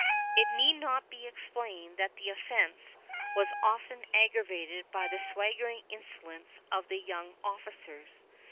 It need not be explained that the offense was often aggravated by the swaggering insolence of the young officers.